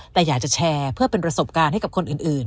แต่อยากจะแชร์เพื่อเป็นประสบการณ์ให้กับคนอื่น